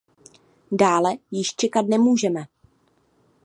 Dále již čekat nemůžeme!